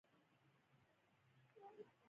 زه له کافرانو ازادي د مسلمان ګټم